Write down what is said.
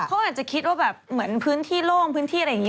เขาอาจจะคิดว่าแบบเหมือนพื้นที่โล่งพื้นที่อะไรอย่างนี้